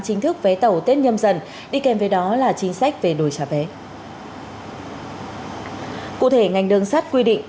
chính thức vé tàu tết nhâm dần đi kèm với đó là chính sách về đổi trả vé